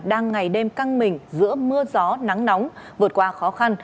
đang ngày đêm căng mình giữa mưa gió nắng nóng vượt qua khó khăn